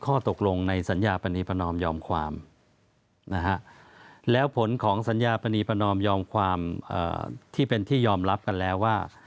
ข้อตกลงในสัญญาปณีประนอมยอมความนะฮะแล้วผลของสัญญาปณีประนอมยอมความที่เป็นที่ยอมรับกันแล้วว่า